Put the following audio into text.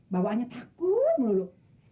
bawaannya takut mulu